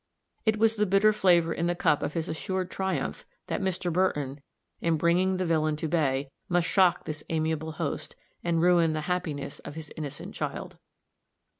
It was the bitter flavor in the cup of his assured triumph that Mr. Burton, in bringing the villain to bay, must shock this amiable host, and ruin the happiness of his innocent child.